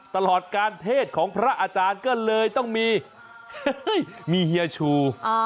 ตลอดการเทศของพระอาจารย์ก็เลยต้องมีเฮียชู